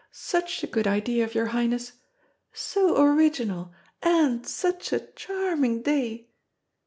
Such a good idea of your Highness. So original and such a charming day."